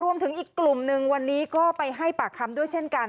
รวมถึงอีกกลุ่มหนึ่งวันนี้ก็ไปให้ปากคำด้วยเช่นกัน